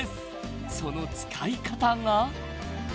［その使い方が］